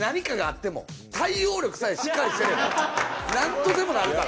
なんとでもなるから。